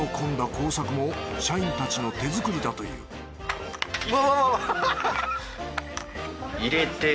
工作も社員たちの手作りだといううわわわわ！